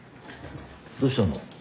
どうしたの？